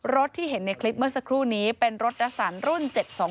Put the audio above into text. ที่เห็นในคลิปเมื่อสักครู่นี้เป็นรถโดยสารรุ่น๗๒